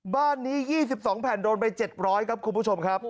บ้านนี้๒๒แผ่นโดนไป๗๐๐ครับคุณผู้ชมครับ